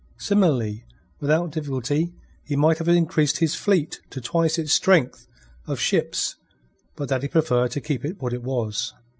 Similarly without difficulty he might have increased his fleet to twice its strength of ships but that he preferred to keep it what it was.